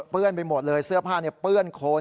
เปลื้อนไปหมดเลยเสื้อผ้าเปลื้อนโคลน